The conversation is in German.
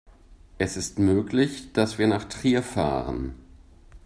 Es ist möglich, dass wir nach Trier fahren